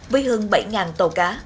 với hơn bảy tàu cá